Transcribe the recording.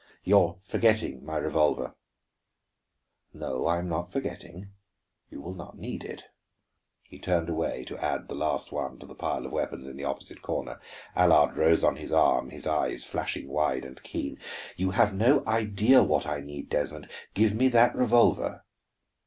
You are forgetting my revolver." "No, I am not forgetting. You will not need it." He turned away to add the last one to the pile of weapons in the opposite corner. Allard rose on his arm, his eyes flashing wide and keen. "You have no idea what I need, Desmond. Give me that revolver."